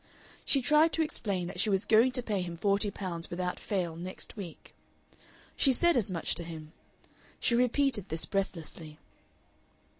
She tried to explain that she was going to pay him forty pounds without fail next week. She said as much to him. She repeated this breathlessly.